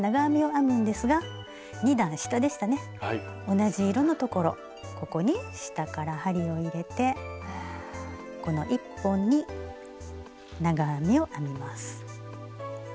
同じ色のところここに下から針を入れてこの１本に長編みを編みます。